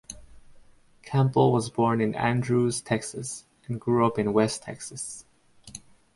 Campbell was born in Andrews, Texas and grew up in west Texas.